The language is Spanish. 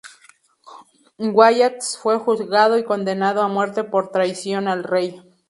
Wallace fue juzgado y condenado a muerte por traición al rey.